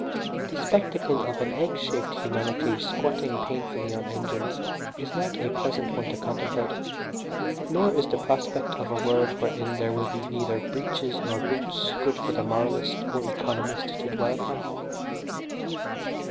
The spectacle of an egg shaped humanity squatting painfully on engines is not a pleasant one to contemplate, nor is the prospect of a world wherein there will be neither breeches nor boots good for the moralist or economist to dwell upon.